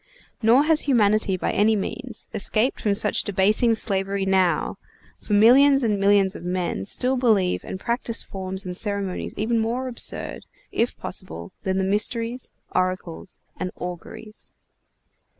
Nor has humanity, by any means, escaped from such debasing slavery now; for millions and millions of men still believe and practice forms and ceremonies even more absurd, if possible, than the Mysteries, Oracles, and Auguries.